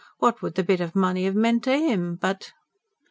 What would the bit of money 'ave meant to 'im? But